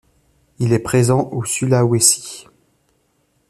Il est présent au Sulawesi.